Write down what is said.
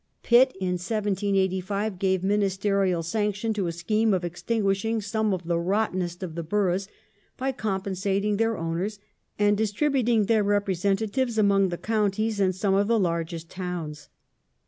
Pitt in 1785 gave ministerial sanction to a scheme for extinguishing some of thei "rottenest" of the boroughs, by compensating their owners and J distributing their representatives among the counties and some of \ the largest towns.